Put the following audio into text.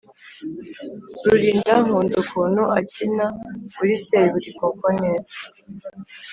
Rurinda nkunda ukuntu akina muri seburikoko neza